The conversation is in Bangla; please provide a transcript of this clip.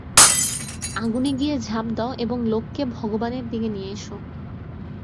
আগুনে গিয়ে ঝাঁপ দাও এবং লোককে ভগবানের দিকে নিয়ে এস।